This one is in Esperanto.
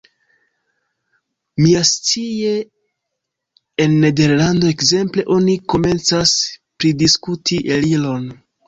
Miascie en Nederlando, ekzemple, oni komencas pridiskuti eliron.